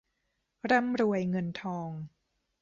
ร่ำรวยเงินทอง